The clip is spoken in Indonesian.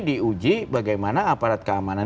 di uji bagaimana aparat keamanan